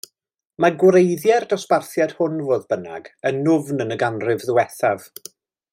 Mae gwreiddiau'r dosbarthiad hwn, fodd bynnag, yn nwfn yn y ganrif ddiwethaf.